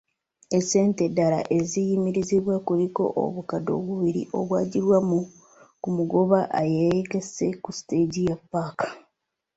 Essente endala eziyimiriziddwa kuliko obukadde obubiri obujjibwa ku mugoba ayeegasse ku siteegi mu ppaka.